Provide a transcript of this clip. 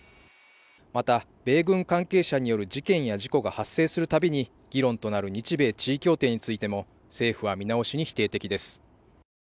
また米軍関係者による事件や事故が発生するたびに議論となる日米地位協定についても政府は見直しに否定的です。